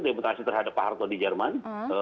demokrasi terhadap pak harto di jerman